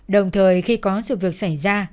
đồng thời khi có sự việc xảy ra